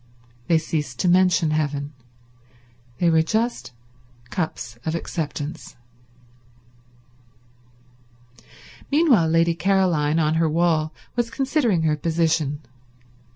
They ceased to mention heaven. They were just cups of acceptance. Meanwhile Lady Caroline, on her wall, was considering her position.